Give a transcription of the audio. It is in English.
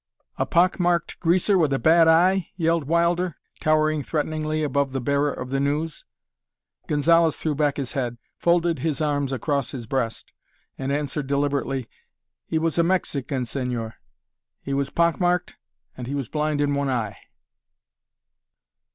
"A pock marked greaser with a bad eye?" yelled Wilder, towering threateningly above the bearer of the news. Gonzalez threw back his head, folded his arms across his breast, and answered deliberately, "He was a Mexican, señor, he was pock marked, and he was blind in one eye."